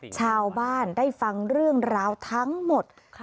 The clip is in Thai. ชาวบ้านได้ฟังเรื่องราวทั้งหมด